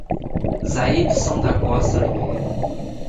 Zaidisson da Costa Oliveira